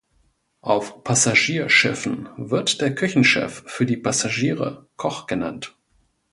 Auf Passagierschiffen wird der Küchenchef für die Passagiere "Koch" genannt.